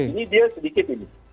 ini dia sedikit ini